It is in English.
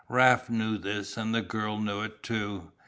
Raft knew this and the girl knew it too.